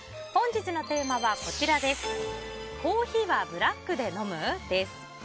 本日のテーマはコーヒーはブラックで飲む？です。